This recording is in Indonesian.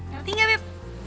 ngerti gak beb